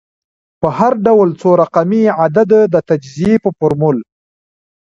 په هر ډول څو رقمي عدد د تجزیې په فورمول